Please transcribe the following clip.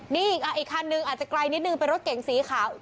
นี่อีกคันนึงอาจจะไกลนิดนึงเป็นรถเก๋งสีขาว